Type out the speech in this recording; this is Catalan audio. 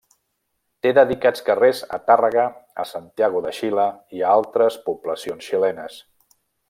Té dedicats carrers a Tàrrega, a Santiago de Xile i a altres poblacions xilenes.